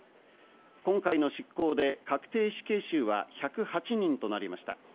今回の執行で確定死刑囚は１０８人となりました。